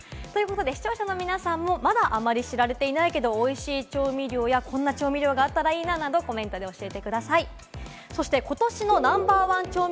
視聴者の皆さんもまだあまり知られていないけれども、おいしい調味料やこんな調味料があったらいいななどコメントで教えてください。